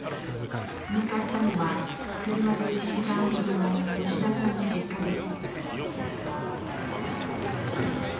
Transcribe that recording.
向かったのは車で１時間ほどの吉田さんの実家です。